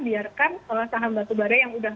biarkan saham batubara yang udah